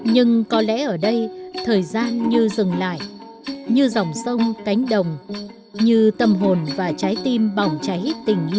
nhưng có lẽ ở đây thời gian như dừng lại như dòng sông cánh đồng như tâm hồn và trái tim bỏng cháy tình yêu với cội nguồn